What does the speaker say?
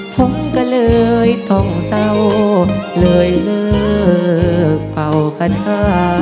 ผมก็เลยต้องเศร้าเลยเลิกเป่าคาถา